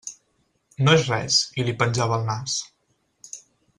No és res, i li penjava el nas.